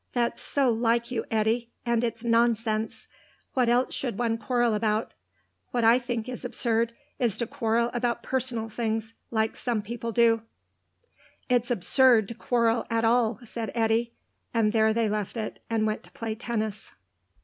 "That's so like you, Eddy, and it's nonsense. What else should one quarrel about? What I think is absurd is to quarrel about personal things, like some people do." "It's absurd to quarrel at all," said Eddy, and there they left it, and went to play tennis.